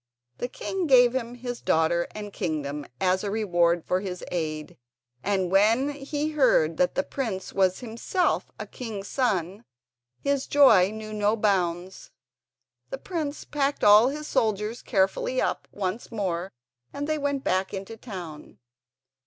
The king gave him his daughter and kingdom as a reward for his aid, and when he heard that the prince was himself a king's son his joy knew no bounds. The prince packed all his soldiers carefully up once more, and they went back into the town.